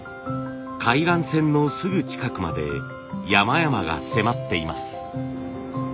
海岸線のすぐ近くまで山々が迫っています。